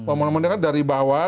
umum umumnya kan dari bawah